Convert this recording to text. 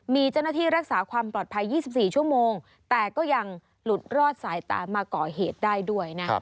มีเจ้าหน้าที่รักษาความปลอดภัย๒๔ชั่วโมงแต่ก็ยังหลุดรอดสายตามาก่อเหตุได้ด้วยนะ